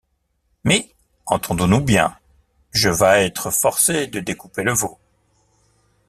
Mais, entendons-nous bien, je vas être forcé de découper le veau.